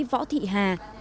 võ thị hà